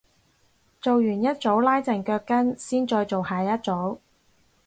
做完一組拉陣腳筋先再做下一組